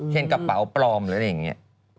กระเป๋าปลอมหรืออะไรอย่างนี้